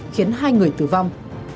khiến hai người tử vong